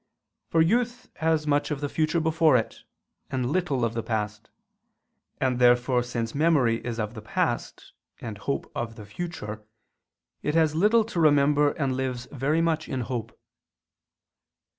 For youth has much of the future before it, and little of the past: and therefore since memory is of the past, and hope of the future, it has little to remember and lives very much in hope.